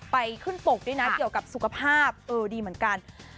ไปขึ้นปกด้วยนะเกี่ยวกับสุขภาพเออดีเหมือนกัน